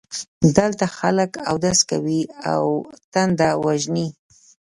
دلته خلک اودس کوي او تنده وژني.